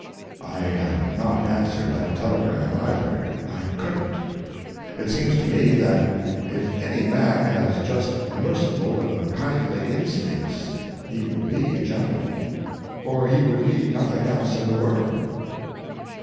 I have not answered that telegram, either; I couldn't. It seems to me that if any man has just merciful and kindly instincts he would be a gentleman, for he would need nothing else in the world.